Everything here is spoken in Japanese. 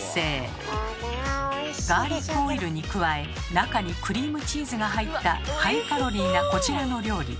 ガーリックオイルに加え中にクリームチーズが入ったハイカロリーなこちらの料理。